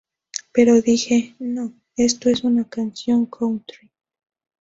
Pero, dijeː no, esto es una canción country".